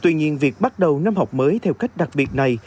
tuy nhiên việc bắt đầu năm học mới theo cách đặc biệt này